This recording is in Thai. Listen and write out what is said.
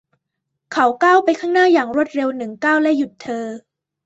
เขาก้าวไปข้างหน้าอย่างรวดเร็วหนึ่งก้าวและหยุดเธอ